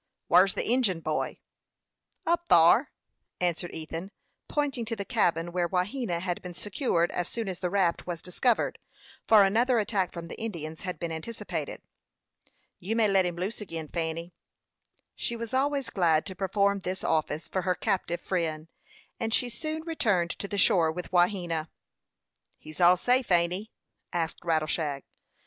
"Whar's the Injin boy?" "Up thyer," answered Ethan, pointing to the cabin where Wahena had been secured as soon as the raft was discovered, for another attack from the Indians had been anticipated. "You may let him loose again, Fanny." She was always glad to perform this office for her captive friend, and she soon returned to the shore with Wahena. "He's all safe ain't he?" asked Rattleshag.